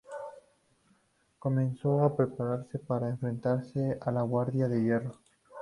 Comenzó a prepararse para enfrentarse a la Guardia de Hierro.